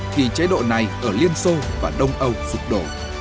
khi chế độ này ở liên xô và đông âu sụp đổ